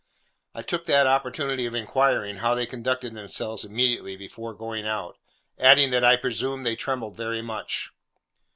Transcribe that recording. I took that opportunity of inquiring how they conducted themselves immediately before going out; adding that I presumed they trembled very much.